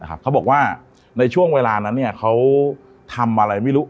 เขาบอกว่าในช่วงเวลานั้นเขาทำอะไรไม่รู้